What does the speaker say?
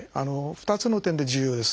２つの点で重要です。